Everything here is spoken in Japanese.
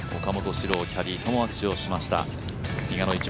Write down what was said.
史郎キャディーとも握手をしました。